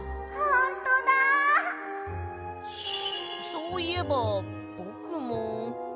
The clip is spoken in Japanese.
そういえばぼくも。